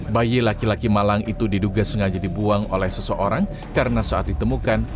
bayi laki laki malang itu diduga sengaja dibuang oleh seseorang karena saat ditemukan